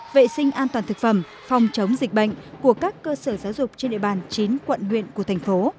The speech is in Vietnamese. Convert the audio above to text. vệ sinh an toàn thực phẩm phòng chống dịch bệnh của các cơ sở giáo dục trên địa bàn chín quận huyện của thành phố